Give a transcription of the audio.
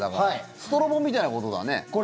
ストロボみたいなことだね。